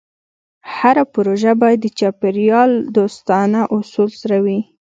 هره پروژه باید د چاپېریال دوستانه اصولو سره وي.